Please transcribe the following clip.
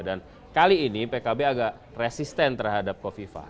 dan kali ini pkb agak resisten terhadap kofifah